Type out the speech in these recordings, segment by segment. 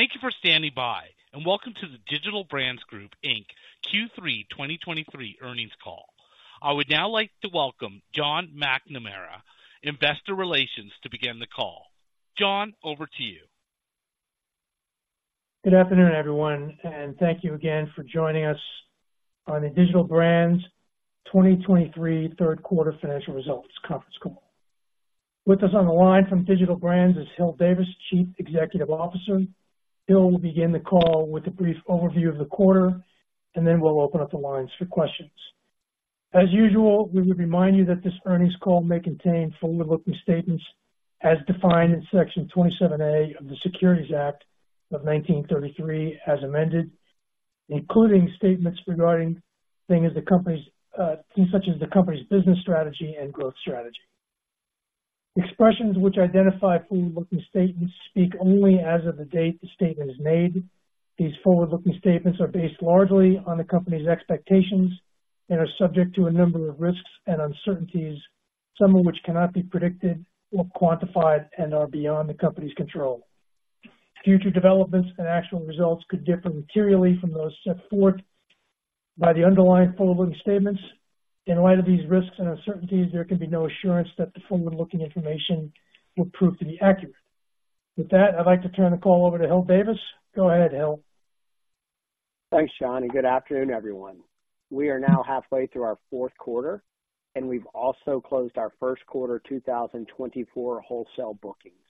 Thank you for standing by, and welcome to the Digital Brands Group, Inc. Q3 2023 earnings call. I would now like to welcome John McNamara, Investor Relations, to begin the call. John, over to you. Good afternoon, everyone, and thank you again for joining us on the Digital Brands 2023 Q3 financial results conference call. With us on the line from Digital Brands is Hil Davis, Chief Executive Officer. Hil will begin the call with a brief overview of the quarter, and then we'll open up the lines for questions. As usual, we would remind you that this earnings call may contain forward-looking statements as defined in Section 27A of the Securities Act of 1933, as amended, including statements regarding things such as the company's business strategy and growth strategy. Expressions which identify forward-looking statements speak only as of the date the statement is made. These forward-looking statements are based largely on the company's expectations and are subject to a number of risks and uncertainties, some of which cannot be predicted or quantified and are beyond the company's control. Future developments and actual results could differ materially from those set forth by the underlying forward-looking statements. In light of these risks and uncertainties, there can be no assurance that the forward-looking information will prove to be accurate. With that, I'd like to turn the call over to Hil Davis. Go ahead, Hil. Thanks, John, and good afternoon, everyone. We are now halfway through our Q4, and we've also closed our Q1 2024 wholesale bookings.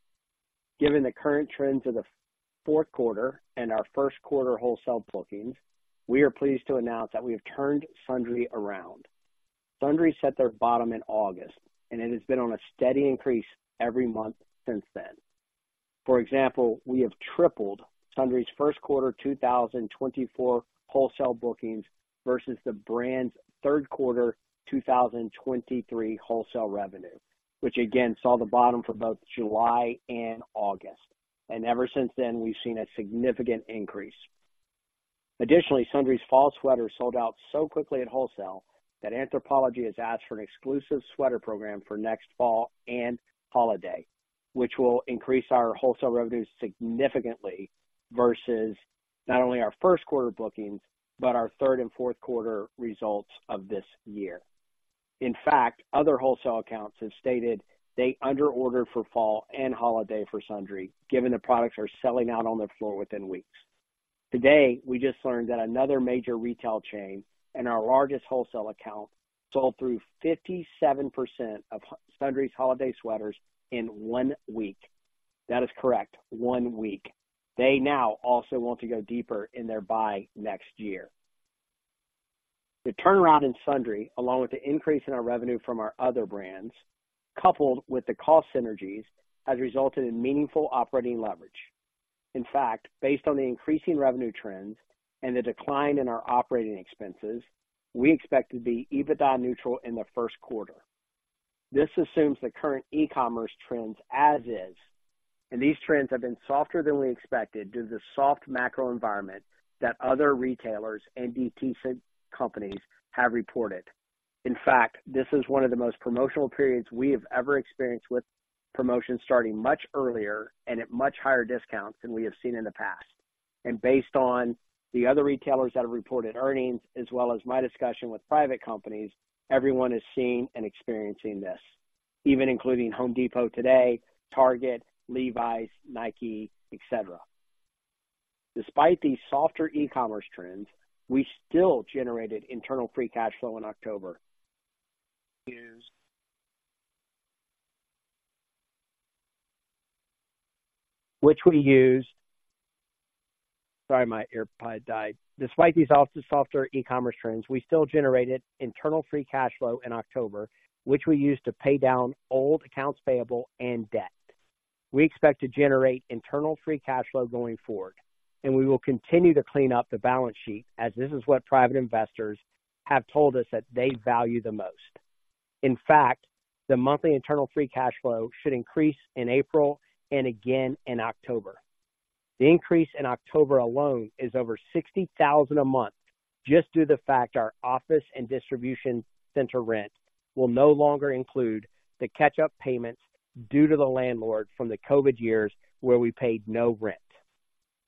Given the current trends of the Q4 and our Q1 wholesale bookings, we are pleased to announce that we have turned Sundry around. Sundry set their bottom in August, and it has been on a steady increase every month since then. For example, we have tripled Sundry's Q1 2024 wholesale bookings versus the brand's Q3 2023 wholesale revenue, which again saw the bottom for both July and August, and ever since then, we've seen a significant increase. Additionally, Sundry's fall sweater sold out so quickly at wholesale that Anthropologie has asked for an exclusive sweater program for next fall and holiday, which will increase our wholesale revenues significantly versus not only our Q1 bookings, but our Q3 and Q4 results of this year. In fact, other wholesale accounts have stated they under ordered for fall and holiday for Sundry, given the products are selling out on their floor within weeks. Today, we just learned that another major retail chain and our largest wholesale account sold through 57% of Sundry's holiday sweaters in one week. That is correct, one week! They now also want to go deeper in their buy next year. The turnaround in Sundry, along with the increase in our revenue from our other brands, coupled with the cost synergies, has resulted in meaningful operating leverage. In fact, based on the increasing revenue trends and the decline in our operating expenses, we expect to be EBITDA neutral in the Q1. This assumes the current e-commerce trends as is, and these trends have been softer than we expected due to the soft macro environment that other retailers and DTC companies have reported. In fact, this is one of the most promotional periods we have ever experienced, with promotions starting much earlier and at much higher discounts than we have seen in the past. And based on the other retailers that have reported earnings, as well as my discussion with private companies, everyone is seeing and experiencing this, even including Home Depot today, Target, Levi's, Nike, et cetera. Despite these softer e-commerce trends, we still generated internal free cash flow in October... years, which we used. Sorry, my AirPod died. Despite these softer e-commerce trends, we still generated internal free cash flow in October, which we used to pay down old accounts payable and debt. We expect to generate internal free cash flow going forward, and we will continue to clean up the balance sheet as this is what private investors have told us that they value the most. In fact, the monthly internal free cash flow should increase in April and again in October. The increase in October alone is over $60,000 a month just due to the fact our office and distribution center rent will no longer include the catch-up payments due to the landlord from the COVID years where we paid no rent.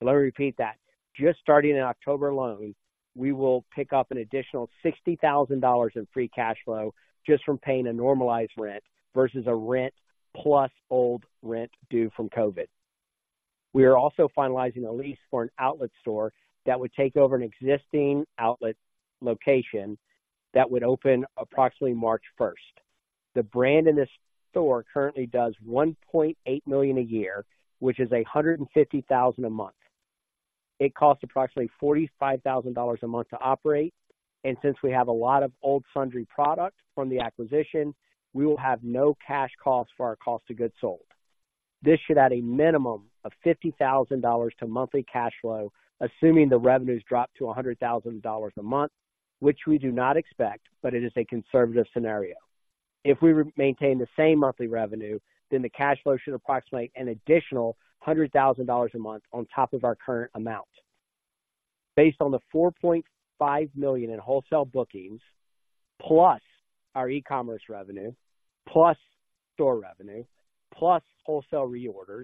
Let me repeat that. Just starting in October alone, we will pick up an additional $60,000 in free cash flow just from paying a normalized rent versus a rent plus old rent due from COVID. We are also finalizing a lease for an outlet store that would take over an existing outlet location that would open approximately March 1. The brand in this store currently does $1.8 million a year, which is $150,000 a month. It costs approximately $45,000 a month to operate, and since we have a lot of old Sundry product from the acquisition, we will have no cash costs for our cost of goods sold. This should add a minimum of $50,000 to monthly cash flow, assuming the revenues drop to $100,000 a month, which we do not expect, but it is a conservative scenario. If we maintain the same monthly revenue, then the cash flow should approximate an additional $100,000 a month on top of our current amount. Based on the $4.5 million in wholesale bookings, plus our e-commerce revenue, plus store revenue, plus wholesale reorders,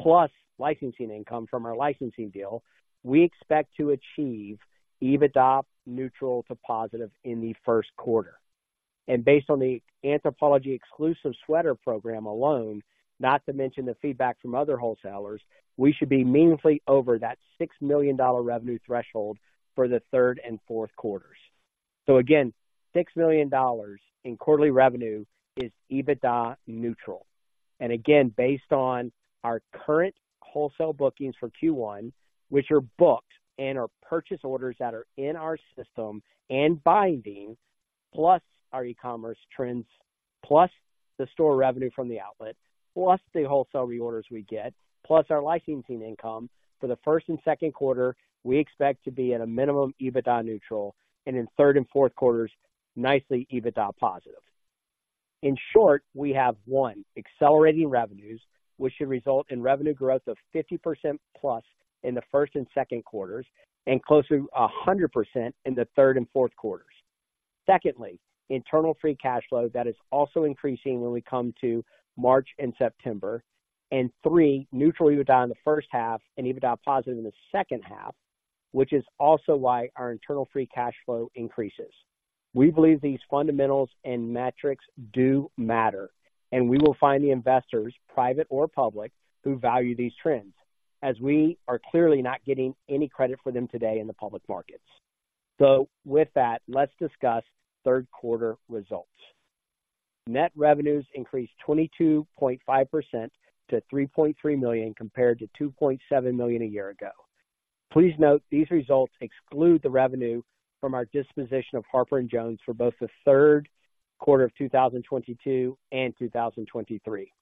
plus licensing income from our licensing deal, we expect to achieve EBITDA neutral to positive in the Q1. Based on the Anthropologie exclusive sweater program alone, not to mention the feedback from other wholesalers, we should be meaningfully over that $6 million revenue threshold for the Q3 and Q4. So again, $6 million in quarterly revenue is EBITDA neutral, and again, based on our current wholesale bookings for Q1, which are booked and are purchase orders that are in our system and binding, plus our e-commerce trends, plus the store revenue from the outlet, plus the wholesale reorders we get, plus our licensing income. For the first and Q2, we expect to be at a minimum EBITDA neutral and in Q3 and Q4s, nicely EBITDA positive. In short, we have, one, accelerating revenues, which should result in revenue growth of 50%+ in the Q1 and Q2s and closer to 100% in the Q3 and Q4s. Secondly, internal free cash flow that is also increasing when we come to March and September. And three, neutral EBITDA in the first half and EBITDA positive in the second half, which is also why our internal free cash flow increases. We believe these fundamentals and metrics do matter, and we will find the investors, private or public, who value these trends, as we are clearly not getting any credit for them today in the public markets. With that, let's discuss Q3 results. Net revenues increased 22.5% to $3.3 million compared to $2.7 million a year ago. Please note, these results exclude the revenue from our disposition of Harper & Jones for both the Q3 of 2022 and 2023.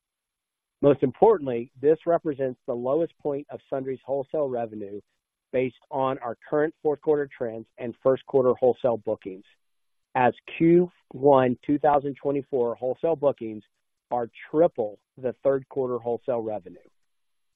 Most importantly, this represents the lowest point of Sundry's wholesale revenue based on our current Q4 trends and Q1 wholesale bookings, as Q1 2024 wholesale bookings are triple the Q3 wholesale revenue.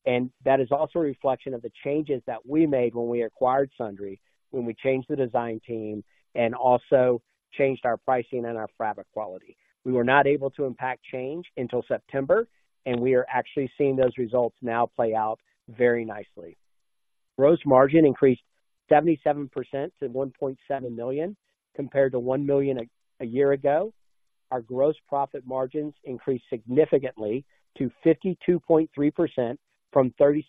And that is also a reflection of the changes that we made when we acquired Sundry, when we changed the design team and also changed our pricing and our fabric quality. We were not able to impact change until September, and we are actually seeing those results now play out very nicely. Gross margin increased 77% to $1.7 million, compared to $1 million a year ago. Our gross profit margins increased significantly to 52.3% from 36%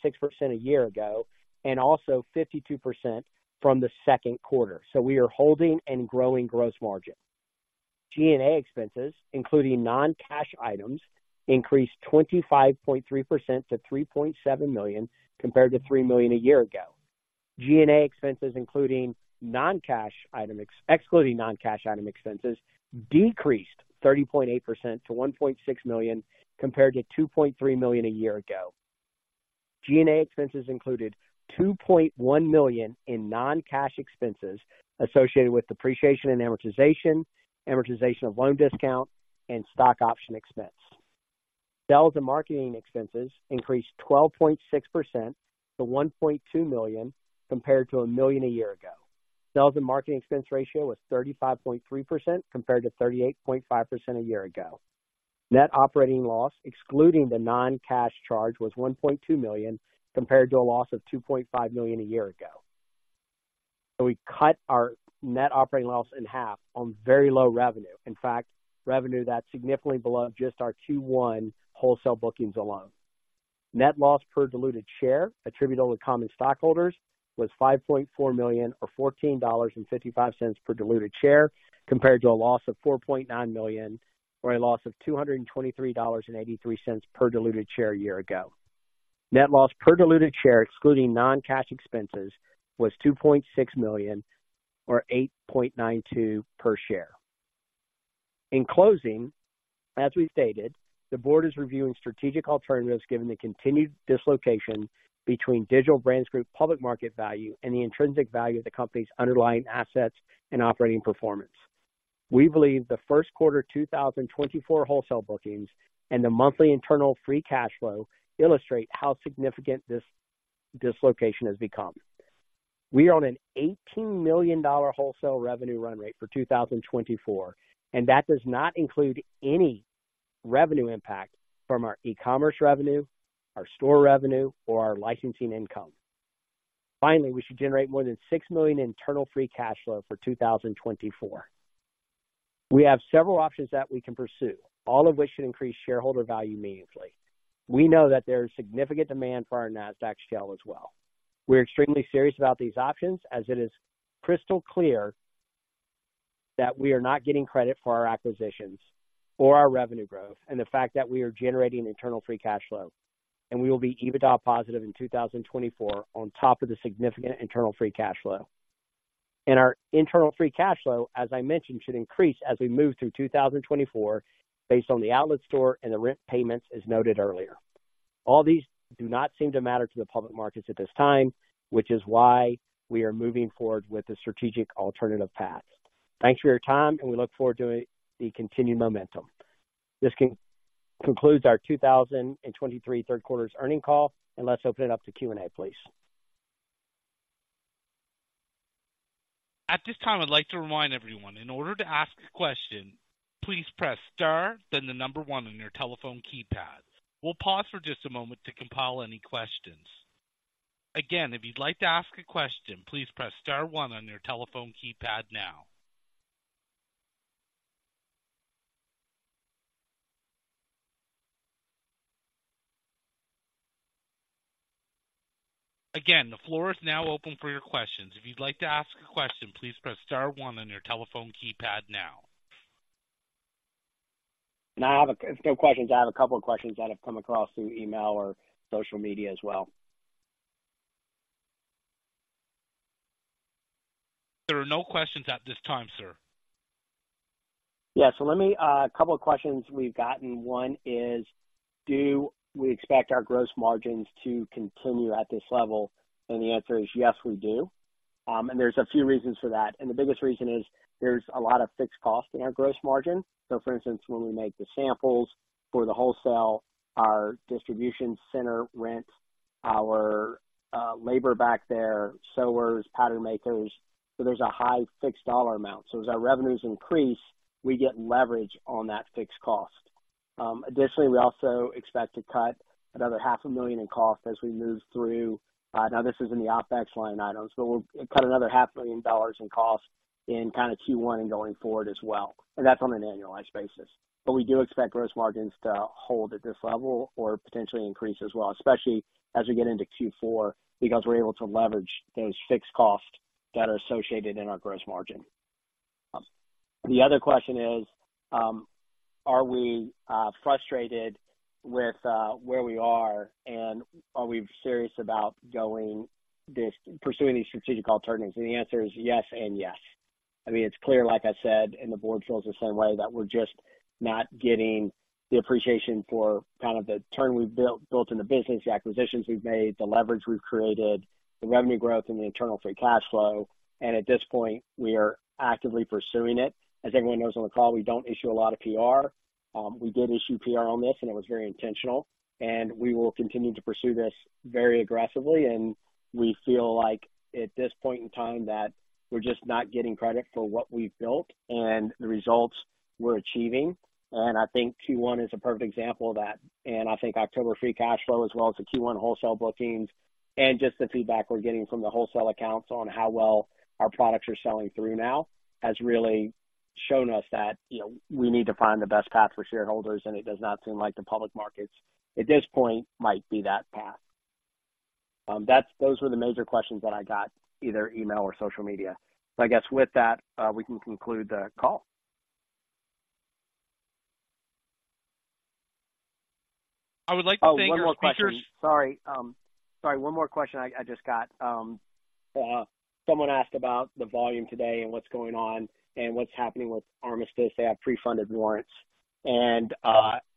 a year ago, and also 52% from the Q2 so we are holding and growing gross margin. G&A expenses, including non-cash items, increased 25.3% to $3.7 million, compared to $3 million a year ago. G&A expenses, including non-cash item, excluding non-cash item expenses, decreased 30.8% to $1.6 million, compared to $2.3 million a year ago. G&A expenses included $2.1 million in non-cash expenses associated with depreciation and amortization, amortization of loan discount, and stock option expense. Sales and marketing expenses increased 12.6% to $1.2 million, compared to $1 million a year ago. Sales and marketing expense ratio was 35.3%, compared to 38.5% a year ago. Net operating loss, excluding the non-cash charge, was $1.2 million, compared to a loss of $2.5 million a year ago. So we cut our net operating loss in half on very low revenue in fact, revenue that's significantly below just our Q1 wholesale bookings alone. Net loss per diluted share attributable to common stockholders was $5.4 million, or $14.55 per diluted share, compared to a loss of $4.9 million, or a loss of $223.83 per diluted share a year ago. Net loss per diluted share, excluding non-cash expenses, was $2.6 million or $8.92 per share. In closing, as we've stated, the board is reviewing strategic alternatives given the continued dislocation between Digital Brands Group public market value and the intrinsic value of the company's underlying assets and operating performance. We believe the Q1 2024 wholesale bookings and the monthly internal free cash flow illustrate how significant this dislocation has become. We are on a $18 million wholesale revenue run rate for 2024, and that does not include any revenue impact from our e-commerce revenue, our store revenue, or our licensing income. Finally, we should generate more than $6 million in internal free cash flow for 2024. We have several options that we can pursue, all of which should increase shareholder value meaningfully. We know that there is significant demand for our Nasdaq shell as well. We're extremely serious about these options, as it is crystal clear that we are not getting credit for our acquisitions or our revenue growth, and the fact that we are generating internal free cash flow, and we will be EBITDA positive in 2024 on top of the significant internal free cash flow. Our internal free cash flow, as I mentioned, should increase as we move through 2024 based on the outlet store and the rent payments, as noted earlier. All these do not seem to matter to the public markets at this time, which is why we are moving forward with the strategic alternative path. Thanks for your time, and we look forward to the continued momentum. This concludes our 2023 Q3 earnings call, and let's open it up to Q&A, please. At this time, I'd like to remind everyone, in order to ask a question, please press Star, then the number one on your telephone keypad. We'll pause for just a moment to compile any questions. Again, if you'd like to ask a question, please press Star one on your telephone keypad now. Again, the floor is now open for your questions. If you'd like to ask a question, please press Star one on your telephone keypad now. And if no questions, I have a couple of questions that have come across through email or social media as well. There are no questions at this time, sir. Yeah. So let me, A couple of questions we've gotten one is: Do we expect our gross margins to continue at this level? And the answer is yes, we do. And there's a few reasons for that, and the biggest reason is there's a lot of fixed cost in our gross margin. So for instance, when we make the samples for the wholesale, our distribution center rent, our labor back there, sewers, pattern makers, so there's a high fixed dollar amount. So as our revenues increase, we get leverage on that fixed cost. Additionally, we also expect to cut another $500,000 in costs as we move through... Now, this is in the OpEx line items, but we'll cut another $500,000 in cost in kind of Q1 and going forward as well, and that's on an annualized basis. We do expect gross margins to hold at this level or potentially increase as well, especially as we get into Q4, because we're able to leverage those fixed costs that are associated in our gross margin. The other question is: Are we frustrated with where we are, and are we serious about pursuing these strategic alternatives? And the answer is yes, and yes. I mean, it's clear, like I said, and the board feels the same way, that we're just not getting the appreciation for kind of the turn we've built in the business, the acquisitions we've made, the leverage we've created, the revenue growth and the internal free cash flow. And at this point, we are actively pursuing it. As everyone knows on the call, we don't issue a lot of PR. We did issue PR on this, and it was very intentional, and we will continue to pursue this very aggressively. We feel like at this point in time, that we're just not getting credit for what we've built and the results we're achieving. I think Q1 is a perfect example of that. I think October free cash flow, as well as the Q1 wholesale bookings and just the feedback we're getting from the wholesale accounts on how well our products are selling through now, has really shown us that, you know, we need to find the best path for shareholders, and it does not seem like the public markets at this point might be that path. That's those were the major questions that I got, either email or social media. So I guess with that, we can conclude the call. I would like to thank our speakers. Oh, one more question. Sorry. Sorry, one more question I just got. Someone asked about the volume today and what's going on and what's happening with Armistice they have pre-funded warrants, and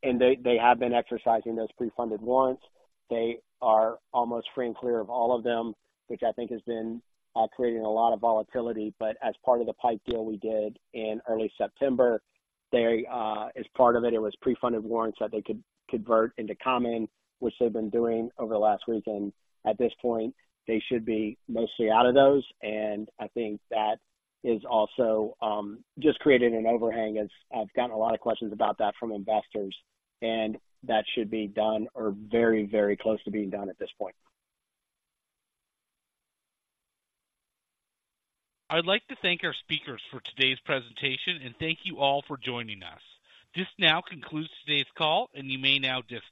they have been exercising those pre-funded warrants. They are almost free and clear of all of them, which I think has been creating a lot of volatility but as part of the PIPE deal we did in early September, they... As part of it, it was pre-funded warrants that they could convert into common, which they've been doing over the last week, and at this point, they should be mostly out of those. I think that is also just creating an overhang, as I've gotten a lot of questions about that from investors, and that should be done or very, very close to being done at this point. I'd like to thank our speakers for today's presentation and thank you all for joining us. This now concludes today's call, and you may now disconnect.